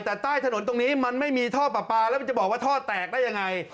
แต่ใต้ถนนตรงนี้มันไม่มีท่อปลาปลาแล้วมันจะบอกว่าท่อแตกได้ยังไง